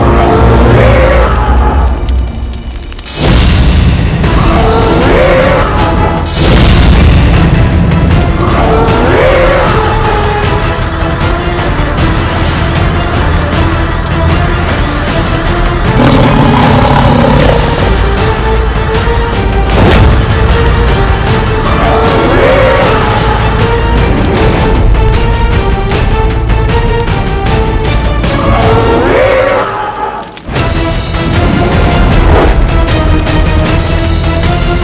rai kejar orang itu